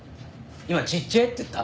今「ちっちぇえ」って言った？